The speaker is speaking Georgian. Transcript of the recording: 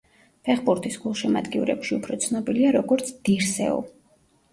ფეხბურთის გულშემატკივრებში უფრო ცნობილია როგორც დირსეუ.